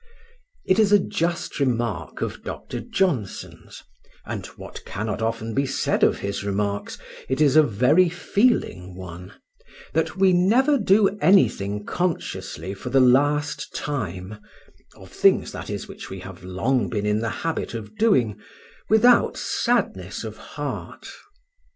It is a just remark of Dr. Johnson's (and, what cannot often be said of his remarks, it is a very feeling one), that we never do anything consciously for the last time (of things, that is, which we have long been in the habit of doing) without sadness of heart.